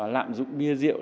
lạm dụng bia riêng